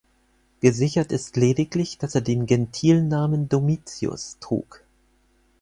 Gesichert ist lediglich, dass er den Gentilnamen Domitius trug.